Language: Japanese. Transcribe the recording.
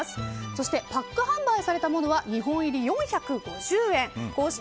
そして、パック販売されたものは２本入り４５０円公式